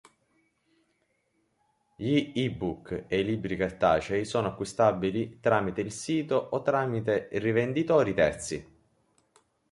Glie-book e i libri cartacei sono acquistabili tramite il sito o tramite rivenditori terzi.